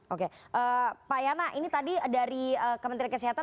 oke pak yana ini tadi dari kementerian kesehatan